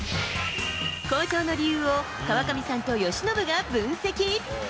好調の理由を、川上さんと由伸が分析。